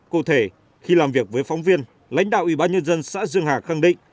cụ thể khi làm việc với phóng viên lãnh đạo ubnd xã dương hà khẳng định